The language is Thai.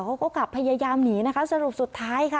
เขาก็กลับพยายามหนีนะคะสรุปสุดท้ายค่ะ